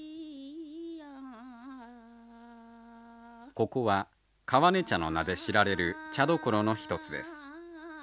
ここは川根茶の名で知られる茶どころの一つです。